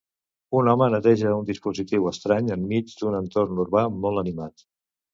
Un home neteja un dispositiu estrany enmig d'un entorn urbà molt animat.